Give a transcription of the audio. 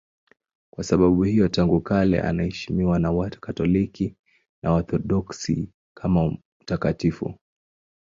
Kwa sababu hiyo tangu kale anaheshimiwa na Wakatoliki na Waorthodoksi kama mtakatifu.